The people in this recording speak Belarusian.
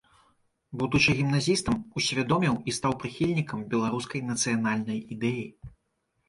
Будучы гімназістам, усвядоміў і стаў прыхільнікам беларускай нацыянальнай ідэі.